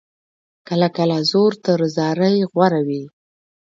کله کله زور تر زارۍ غوره وي.